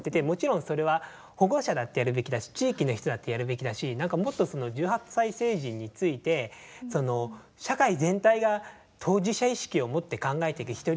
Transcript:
もちろんそれは保護者だってやるべきだし地域の人だってやるべきだし何かもっとその１８歳成人について社会全体が当事者意識を持って考えてく。